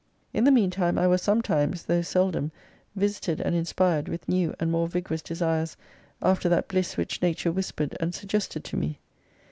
In the meantime I was sometimes, though seldom, visited and inspired with new and more vigorous desires after that bliss which Nature whispered and suggested to me.